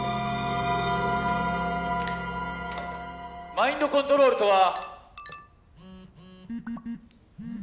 マインドコントロールとは。